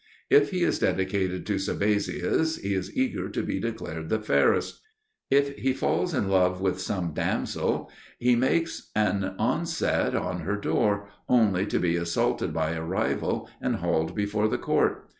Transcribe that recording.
If he is dedicated to Sabazius, he is eager to be declared the fairest; if he falls in love with some damsel, he makes an onset on her door, only to be assaulted by a rival and hauled before the court.